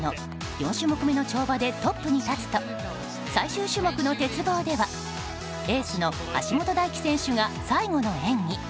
４種目めの跳馬でトップに立つと最終種目の鉄棒ではエースの橋本大輝選手が最後の演技。